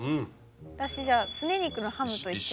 私じゃあすね肉のハムと一緒に。